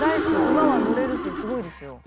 馬は乗れるしすごいですよ。